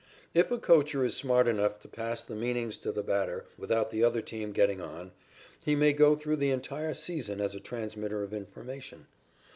If a coacher is smart enough to pass the meanings to the batter without the other team getting on, he may go through the entire season as a transmitter of information.